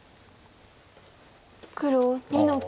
黒２の九。